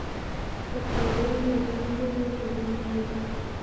پکورې له زړه نه جوړېږي